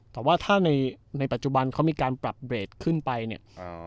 แต่ว่าถ้าในในปัจจุบันเขามีการปรับเรทขึ้นไปเนี่ย